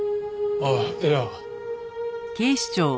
ああいや。